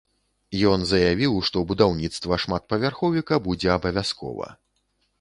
Ён заявіў, што будаўніцтва шматпавярховіка будзе абавязкова.